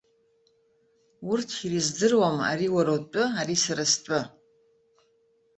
Урҭ ирыздыруам ари уара утәы, ари сара стәы.